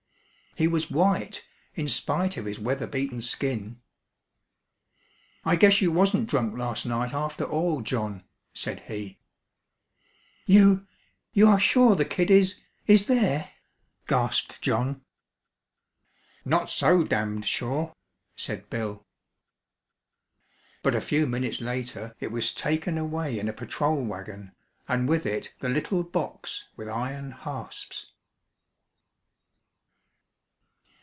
He was white in spite of his weather beaten skin. "I guess you wasn't drunk last night after all, John," said he. "You you are sure the kid is is there?" gasped John. "Not so damned sure!" said Bill. But a few minutes later it was taken away in a patrol wagon, and with it the little box with iron hasps.